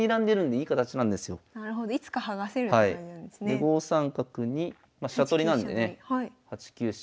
５三角にま飛車取りなんでね８九飛車